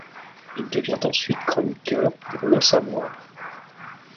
Il devient ensuite chroniqueur pour L'Os à moelle.